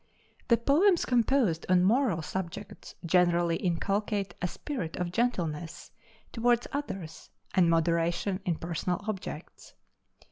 The poems composed on moral subjects generally inculcate a spirit of gentleness toward others and moderation in personal objects.